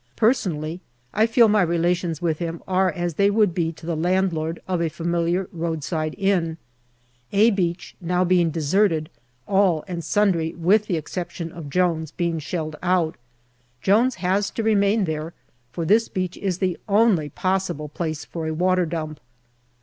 Personally, I feel my relations with him are as they would be to the landlord of a familiar roadside inn. " A " Beach now being deserted, all and sundry, with the exception of Jones, being shelled out, Jones has to remain there, for this beach is the only possible place for a water dump.